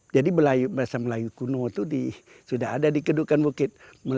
jadi bahasa melayu kuno itu sudah ada di kedukan bukit